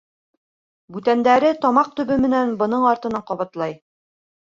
Бүтәндәре тамаҡ төбө менән бының артынан ҡабатлай.